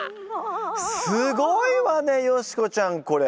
すごいわねヨシコちゃんこれ。